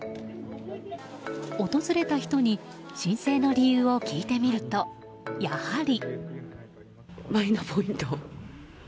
訪れた人に申請の理由を聞いてみるとやはり。